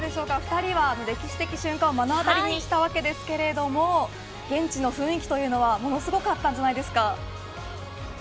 ２人は歴史的瞬間を目の当りにしたわけですけれども現地の雰囲気というのはものすごかったんじゃないですか。